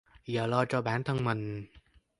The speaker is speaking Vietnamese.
giờ lo cho bản thân của mình